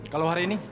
kalau hari ini